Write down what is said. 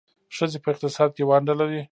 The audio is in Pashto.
ښځې په اقتصاد کې ونډه لري.